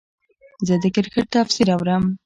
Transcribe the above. زه د کرکټ تفسیر اورم.